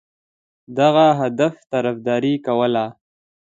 دغه هدف طرفداري کوله.